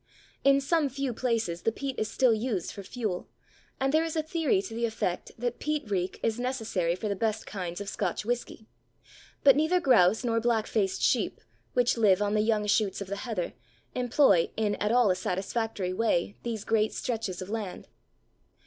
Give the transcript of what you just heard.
In some few places the peat is still used for fuel, and there is a theory to the effect that peat reek is necessary for the best kinds of Scotch whisky, but neither grouse nor black faced sheep, which live on the young shoots of the heather, employ in at all a satisfactory way these great stretches of land.